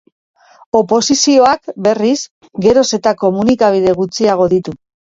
Oposizioak, berriz, geroz eta komunikabide gutxiago ditu.